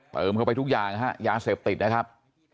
เติมเข้าไปทุกอย่างฮะยาเสพติดนะครับ